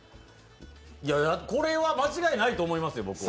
これは間違いないと思いますよ、僕は。